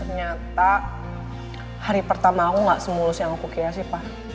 ternyata hari pertama aku nggak semulus yang aku kira sih pak